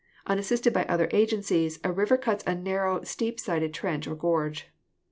Unassisted by other agencies, a river cuts a narrow, steep sided trench or gorge.